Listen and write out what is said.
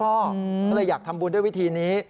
ก็เลยอยากทำบุญด้วยวิธีนี้